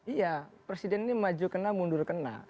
iya presiden ini maju kena mundur kena